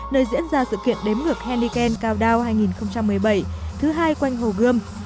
nơi diễn ra sự kiện đếm ngược henneken cao đao hai nghìn một mươi bảy thứ hai quanh hồ gươm